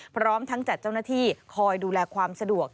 พร้อมทั้งจัดเจ้าหน้าที่คอยดูแลความสะดวก